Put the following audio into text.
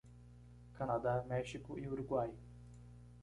Canadá, México e Uruguai.